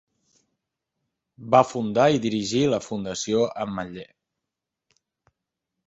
Va fundar i dirigir la Fundació Ametller.